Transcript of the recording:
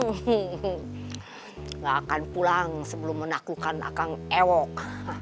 tidak akan pulang sebelum menaklukkan akang ewok